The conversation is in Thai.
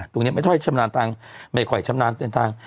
ตรงนี้ไม่ใช่ชำนาญทางไม่ค่อยชำนาญทาง